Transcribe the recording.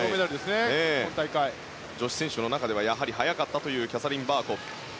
女子選手の中では速かったというキャサリン・バーコフ。